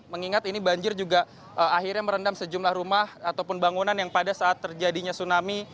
mengingat ini banjir juga akhirnya merendam sejumlah rumah ataupun bangunan yang pada saat terjadinya tsunami